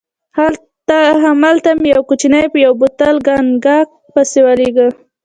هملته مې یو کوچنی په یو بوتل کاګناک پسې ولېږه.